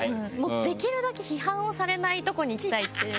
できるだけ批判をされないとこにいきたいっていう。